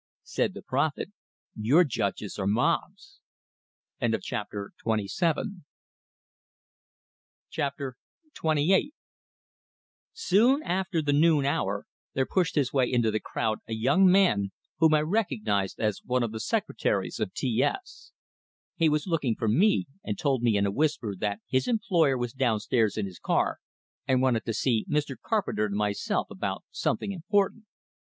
Said the prophet: "Your judges are mobs!" XXVIII Soon after the noon hour, there pushed his way into the crowd a young man, whom I recognized as one of the secretaries of T S. He was looking for me, and told me in a whisper that his employer was downstairs in his car, and wanted to see Mr. Carpenter and myself about something important.